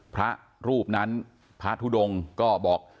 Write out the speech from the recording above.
พระรูปนั้นพระทุดงก็บอก